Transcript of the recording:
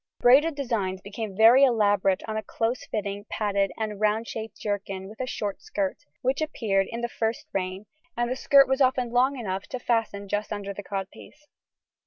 Braided designs became very elaborate on a close fitting, padded, and round shaped jerkin with a short skirt, which appeared in the first reign, and this skirt was often long enough to fasten just under the codpiece.